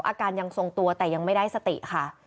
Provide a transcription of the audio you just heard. อาการยังทรงตัวแต่ยังไม่ได้สติค่ะ